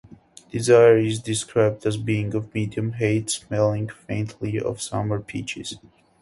Desire is described as being of medium height, smelling faintly of summer peaches.